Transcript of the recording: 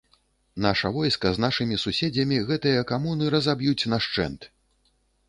Наша войска з нашымі суседзямі гэтыя камуны разаб'юць нашчэнт!